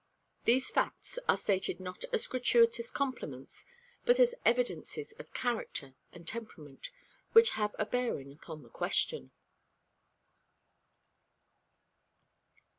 These facts are stated not as gratuitous compliments, but as evidences of character and temperament which have a bearing upon the question.